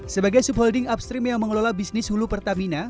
sebagai subholding upstream yang mengelola bisnis hulu pertamina